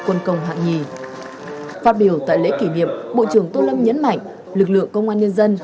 quân công hạng nhì phát biểu tại lễ kỷ niệm bộ trưởng tô lâm nhấn mạnh lực lượng công an nhân dân